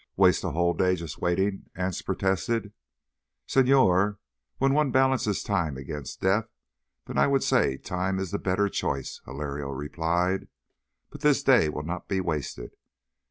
"Waste a whole day jus' waitin'!" Anse protested. "Señor, when one balances time against death, then I would say time is the better choice," Hilario replied. "But this day will not be wasted.